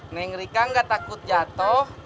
neng rika gak takut jatoh